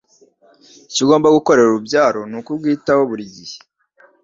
Icyo ugomba gukorera ururabyo ni ukurwitaho buri gihe.